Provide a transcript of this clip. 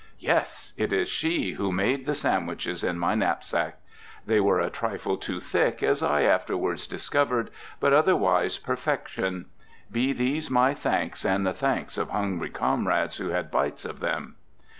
Yes! it is she who made the sandwiches in my knapsack. They were a trifle too thick, as I afterwards discovered, but otherwise perfection. Be these my thanks and the thanks of hungry comrades who had bites of them!